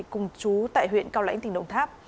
cùng trú tại huyện cao lãnh tỉnh đồng tháp